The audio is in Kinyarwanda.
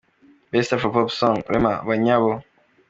Best Afropop Song: Rema – Banyabo.